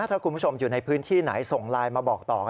ถ้าคุณผู้ชมอยู่ในพื้นที่ไหนส่งไลน์มาบอกต่อ